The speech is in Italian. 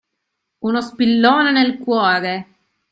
Uno spillone nel cuore!